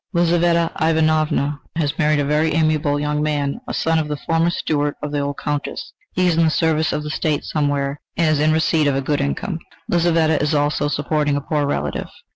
Lizaveta Ivanovna has married a very amiable young man, a son of the former steward of the old Countess. He is in the service of the State somewhere, and is in receipt of a good income. Lizaveta is also supporting a poor relative.